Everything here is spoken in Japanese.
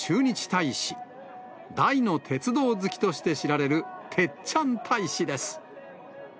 大の鉄道好きとして知られる、鉄ちゃん大使です。